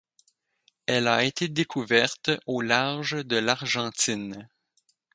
Elle a été découverte au large de l'Argentine.